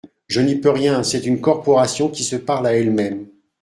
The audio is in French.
Je n’y peux rien : c’est une corporation qui se parle à elle-même.